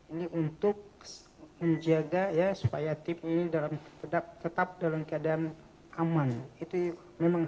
ini untuk menjaga ya supaya tim ini dalam tetap dalam keadaan aman itu memang